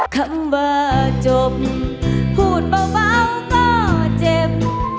คำว่าจบพูดเบาก็เจ็บ